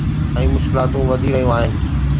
۽ مشڪلاتون وڌي رهيون آهن.